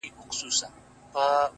شعـر كي مي راپـاتـــه ائـيـنه نـه ده!!